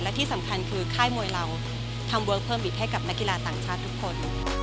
และที่สำคัญคือค่ายมวยเราทำเวิร์คเพิ่มอีกให้กับนักกีฬาต่างชาติทุกคน